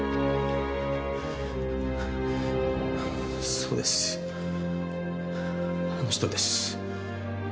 そうですあの人です。